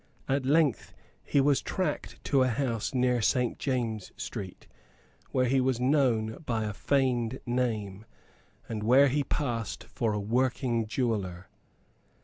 At length he was tracked to a house near Saint James's Street, where he was known by a feigned name, and where he passed for a working jeweller.